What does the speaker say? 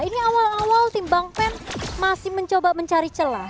ini awal awal tim bang pen masih mencoba mencari celah